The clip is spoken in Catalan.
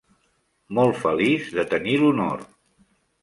Molt feliç de tenir l'honor!